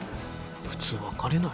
普通別れない？